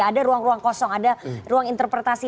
ada ruang ruang kosong ada ruang interpretasi